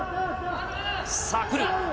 さあ、来る。